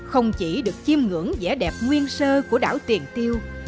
không chỉ được chiêm ngưỡng vẻ đẹp nguyên sơ của đảo tiền tiêu